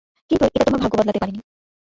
কিন্তু এটা তোমার ভাগ্য বদলাতে পারেনি।